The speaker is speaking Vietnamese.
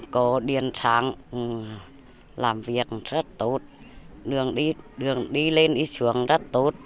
có điện sáng làm việc rất tốt đường đi lên đi xuống rất tốt